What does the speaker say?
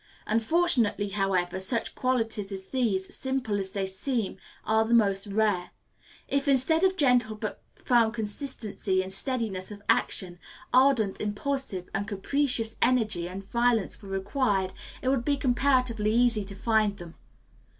Unfortunately, however, such qualities as these, simple as they seem, are the most rare. If, instead of gentle but firm consistency and steadiness of action, ardent, impulsive, and capricious energy and violence were required, it would be comparatively easy to find them.